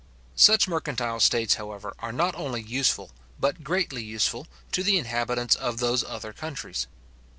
Such mercantile states, however, are not only useful, but greatly useful, to the inhabitants of those other countries.